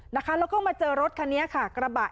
แล้วก็มาเจอรถคันนี้ค่ะกระบะ